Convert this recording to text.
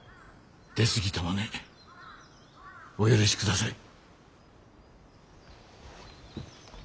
出過ぎたまねお許しください。